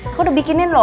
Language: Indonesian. aku udah bikinin loh